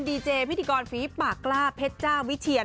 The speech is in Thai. ดีเจพิธีกรฝีปากกล้าเพชรเจ้าวิเชียน